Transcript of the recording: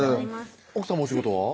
奥さまお仕事は？